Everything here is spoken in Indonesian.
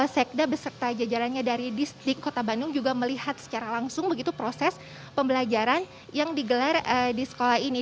sekda beserta jajarannya dari distrik kota bandung juga melihat secara langsung begitu proses pembelajaran yang digelar di sekolah ini